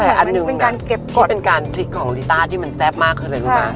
แต่อันหนึ่งนะก็เป็นการพลิกของลีต้าที่มันแซ่บมากเคยเลยลุกมา